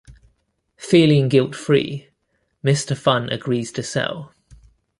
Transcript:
Feeling guilt-free, Mr. Fun agrees to sell.